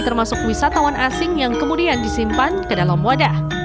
termasuk wisatawan asing yang kemudian disimpan ke dalam wadah